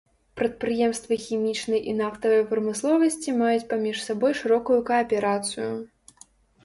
Прадпрыемствы хімічнай і нафтавай прамысловасці маюць паміж сабой шырокую кааперацыю.